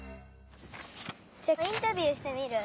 インタビューしてみる？